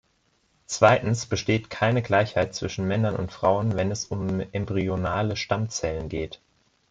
Zweitens besteht keine Gleichheit zwischen Männern und Frauen, wenn es um embryonale Stammzellen geht.